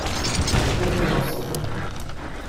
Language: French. Queue préhensile.